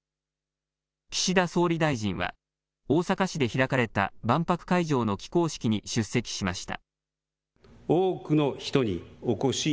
岸田総理大臣は大阪市で開かれた万博会場の起工式に出席しました。